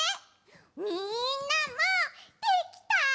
みんなもできた？